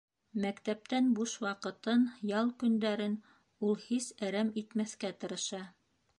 Мәктәптән буш ваҡытын, ял көндәрен ул һис әрәм итмәҫкә тырыша.